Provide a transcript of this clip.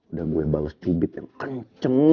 udah gue bales cubit yang kenceng